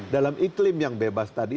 dalam iklim yang bebas tadi